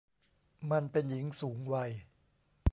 มันเป็นหญิงสูงวัย